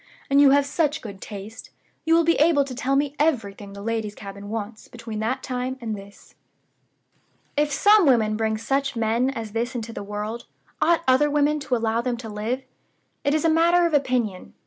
And you have such good taste, you will be able to tell me everything the ladies' cabin wants between that time and this.' "If some women bring such men as this into the world, ought other women to allow them to live? It is a matter of opinion.